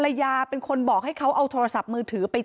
ชาวบ้านในพื้นที่บอกว่าปกติผู้ตายเขาก็อยู่กับสามีแล้วก็ลูกสองคนนะฮะ